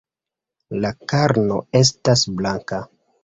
La karno estas blanka.